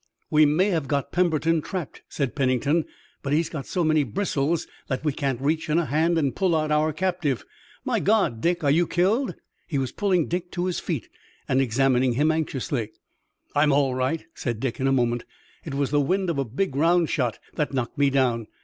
"We may have got Pemberton trapped," said Pennington, "but he's got so many bristles that we can't reach in a hand and pull out our captive. My God, Dick, are you killed?" He was pulling Dick to his feet and examining him anxiously. "I'm all right," said Dick in a moment. "It was the wind of a big round shot that knocked me down.